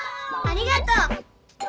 ありがとう。